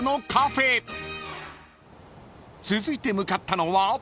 ［続いて向かったのは］